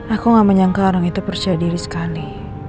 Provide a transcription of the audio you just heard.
aku gak menyangka orang itu percaya diri sekali